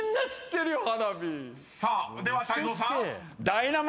［さあでは泰造さん］